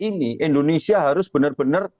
ini indonesia harus benar benar